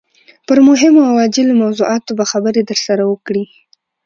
پر مهمو او عاجلو موضوعاتو به خبرې درسره وکړي.